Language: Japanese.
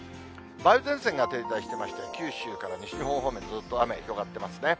梅雨前線が停滞してまして、九州から西日本方面、ずっと雨が広がってますね。